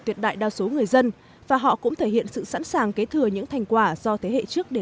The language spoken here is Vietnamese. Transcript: tuyệt đại đa số người dân và họ cũng thể hiện sự sẵn sàng kế thừa những thành quả do thế hệ trước để